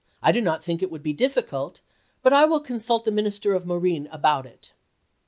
I do not think it would be difficult, but I will con IfcMvil suit the Minister of Marine about it."